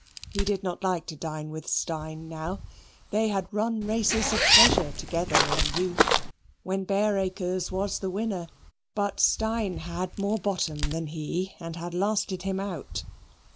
He did not like to dine with Steyne now. They had run races of pleasure together in youth when Bareacres was the winner. But Steyne had more bottom than he and had lasted him out.